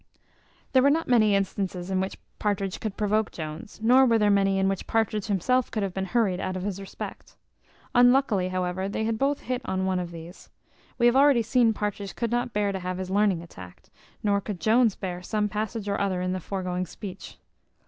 There were not many instances in which Partridge could provoke Jones, nor were there many in which Partridge himself could have been hurried out of his respect. Unluckily, however, they had both hit on one of these. We have already seen Partridge could not bear to have his learning attacked, nor could Jones bear some passage or other in the foregoing speech.